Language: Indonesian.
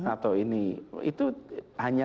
atau ini itu hanya